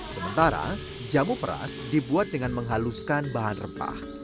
sementara jamu peras dibuat dengan menghaluskan bahan rempah